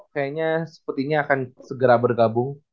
kayaknya sepertinya akan segera bergabung